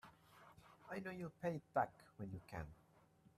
I know you'll pay it back when you can.